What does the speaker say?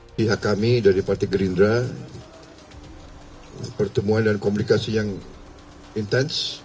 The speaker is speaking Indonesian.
ketua umum partai gerindra prabowo subianto